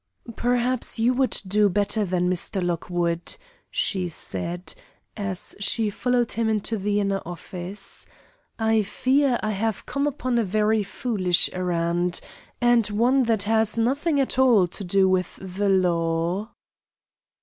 "Perhaps you will do better than Mr. Lockwood," she said, as she followed him into the inner office. "I fear I have come upon a very foolish errand, and one that has nothing at all to do with the law."